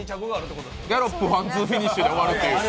ギャロップのワン・ツーフィニッシュで終わるという。